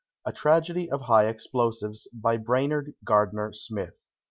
A TRAGEDY OF HIGH EXPLOSIVES. BY BRAINARD GARDNER SMITH.